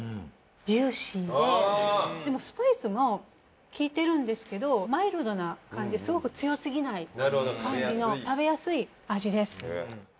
でもスパイスも利いてるんですけどマイルドな感じすごく強すぎない感じの食べやすい味です。